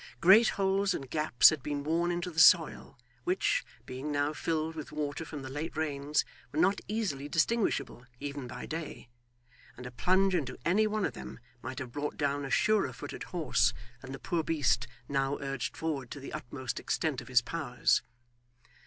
Great holes and gaps had been worn into the soil, which, being now filled with water from the late rains, were not easily distinguishable even by day; and a plunge into any one of them might have brought down a surer footed horse than the poor beast now urged forward to the utmost extent of his powers.